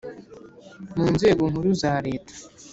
mu Nzego Nkuru za Leta